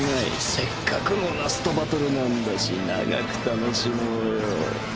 せっかくのラストバトルなんだし長く楽しもうよ。